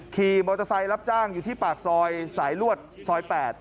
ขี่มอเตอร์ไซค์รับจ้างอยู่ที่ปากซอยสายลวดซอย๘